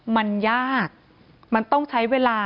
มันยากมันต้องใช้เวลา